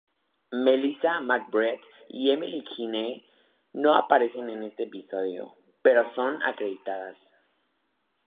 Melissa McBride y Emily Kinney no aparecen en este episodio, pero son acreditadas.